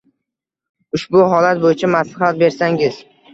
Ushbu holat bo‘yicha maslaxat bersangiz.